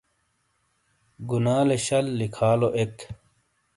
گُنالے شَل لِکھالو ایک۔